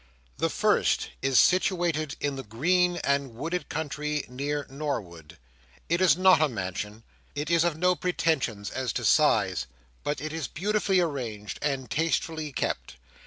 The first is situated in the green and wooded country near Norwood. It is not a mansion; it is of no pretensions as to size; but it is beautifully arranged, and tastefully kept.